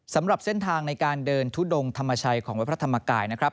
สำหรับเส้นทางในการเดินทุดงธรรมชัยของวัดพระธรรมกายนะครับ